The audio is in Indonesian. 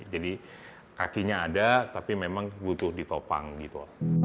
jadi kakinya ada tapi memang butuh ditopang gitu